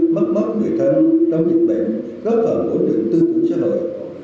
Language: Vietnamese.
mất mất người thân trong dịch bệnh góp phần hỗ trợ tư tưởng xã hội